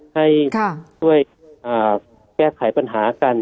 ให้ช่วยแก้ไขปัญหากัน